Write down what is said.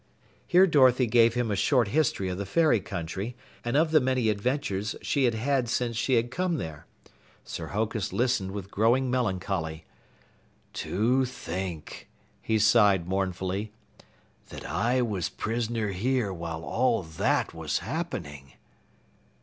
Here Dorothy gave him a short history of the Fairy country, and of the many adventures she had had since she had come there. Sir Hokus listened with growing melancholy. "To think," he sighed mournfully, "that I was prisoner here while all that was happening!"